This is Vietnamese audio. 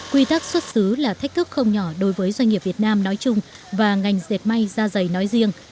quy tắc xuất xứ là thách thức không nhỏ đối với doanh nghiệp việt nam nói chung và ngành dệt may ra dày nói riêng